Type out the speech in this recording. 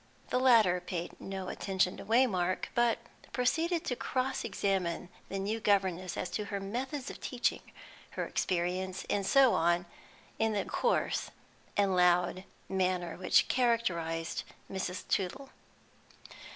The latter paid no attention to Waymark, but proceeded to cross examine the new governess as to her methods of teaching, her experience, and so on, in the coarse and loud manner which characterised Mrs. Tootle.